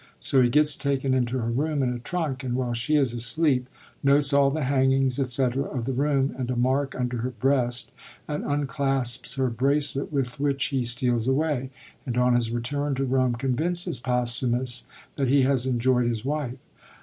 So he gets taken into her room in a trunk, and, while she is asleep, notes all the hangings, &c., of the room, and a mark under her breast, and unclasps her bracelet, with which he steals away, and, on his return to Rome, convinces Posthumus that he has enjoyd his wife.